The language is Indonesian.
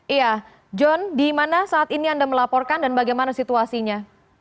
iya john di mana saat ini anda melaporkan dan bagaimana situasinya